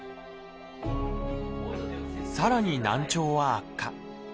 さらに難聴は悪化。